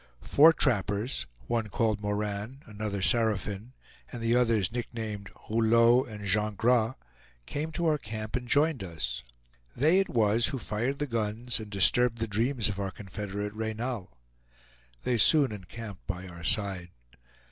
Four trappers, one called Moran, another Saraphin, and the others nicknamed "Rouleau" and "Jean Gras," came to our camp and joined us. They it was who fired the guns and disturbed the dreams of our confederate Reynal. They soon encamped by our side.